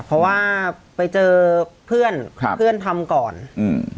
เพราะว่าไปเจอเพื่อนครับเพื่อนทำก่อนอืม